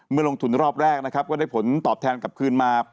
ลงทุนรอบแรกนะครับก็ได้ผลตอบแทนกลับคืนมา